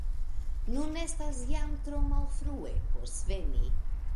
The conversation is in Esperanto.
Nun estas jam tro malfrue, por sveni.